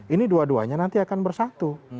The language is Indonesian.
ini dua duanya nanti akan bersatu